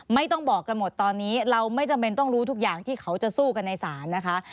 ไม่ต้องบอกกันหมดตอนนี้เราไม่จำเป็นต้องรู้ทุกอย่างที่เขาจะสู้กันในศาลนะคะ